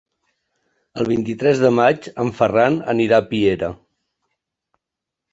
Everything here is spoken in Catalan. El vint-i-tres de maig en Ferran anirà a Piera.